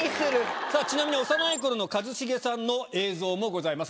さぁちなみに幼い頃の一茂さんの映像もございます。